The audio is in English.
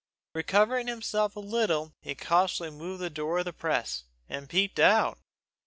Recovering himself a little he cautiously moved the door of the press, and peeped out.